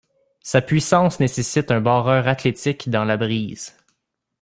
Sa puissance nécessite un barreur athlétique dans la brise.